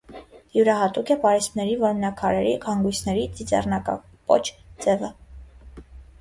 Յուրահատուկ է պարիսպների որմնաքարերի հանգույցների «ծիծեռնակապոչ» ձևը։